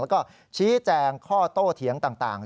แล้วก็ชี้แจงข้อโต้เถียงต่าง